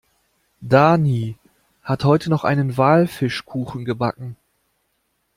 Dani hat heute noch einen Walfischkuchen gebacken.